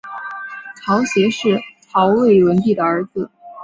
曹协是曹魏文帝儿子。